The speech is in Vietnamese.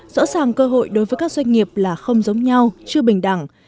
rõ ràng cơ hội đối với các doanh nghiệp là không giống nhau chưa bình đẳng